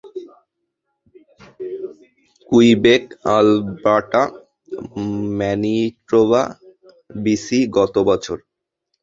Quebec, Alberta, Manitoba, BC গত বছর।